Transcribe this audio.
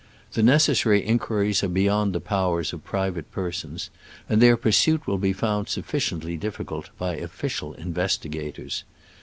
The necessary inquiries are beyond the powers of pri vate persons, and their pursuit will be found sufficiently difficult by official in vestigators.